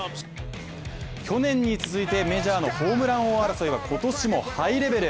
去年に続いて、メジャーのホームラン王争いは今年もハイレベル。